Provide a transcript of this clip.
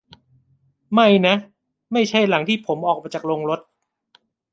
ไม่นะ ไม่ใช่หลังที่ผมออกมาจากโรงรถ